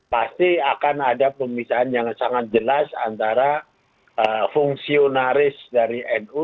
pasti akan ada pemisahan yang sangat jelas antara fungsionaris dari nu